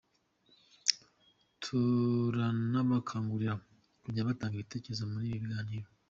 Turanabakangurira kujya batanga ibitekerezo muri ibyo biganiro.